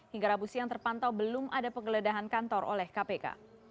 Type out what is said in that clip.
hingga rabu siang terpantau belum ada penggeledahan kantor oleh kpk